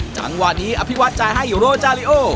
จังหวะนี้อภิวัตรจ่ายให้โรจาริโอ